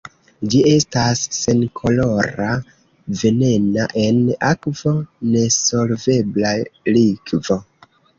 Ĝi estas senkolora, venena, en akvo nesolvebla likvo.